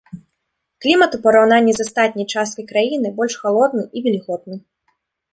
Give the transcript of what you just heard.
Клімат у параўнанні з астатняй часткай краіны больш халодны і вільготны.